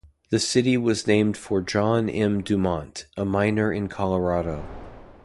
The city was named for John M. Dumont, a miner in Colorado.